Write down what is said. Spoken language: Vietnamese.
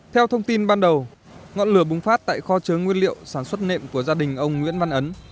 theo thông tin ban đầu ngọn lửa bùng phát tại kho chứa nguyên liệu sản xuất nệm của gia đình ông nguyễn văn ấn